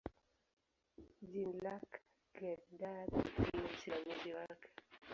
Jean-Luc Godard ndiye msimamizi wake.